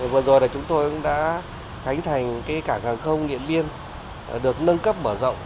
vừa rồi chúng tôi đã khánh thành cảng hàng không điện biên được nâng cấp mở rộng